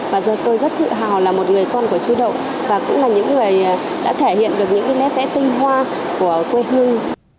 và dân tôi rất tự hào là một người con của chú đậu và cũng là những người đã thể hiện được những nét vẽ tinh hoa của quê hương